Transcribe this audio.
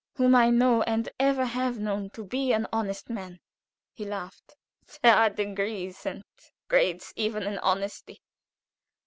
"Whom I know, and ever have known, to be an honest man." He laughed. "There are degrees and grades even in honesty.